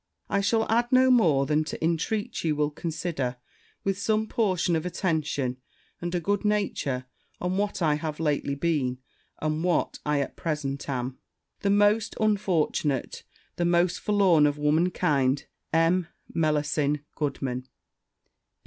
I shall add no more, than to intreat you will consider, with some portion of attention and good nature, on what I have lately been, and what I at present am, the most unfortunate, and most forlorn of womankind, M. MELLASIN GOODMAN.